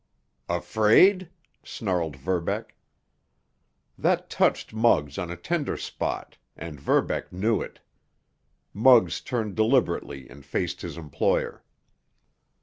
"Afraid?" snarled Verbeck. That touched Muggs on a tender spot, and Verbeck knew it. Muggs turned deliberately and faced his employer.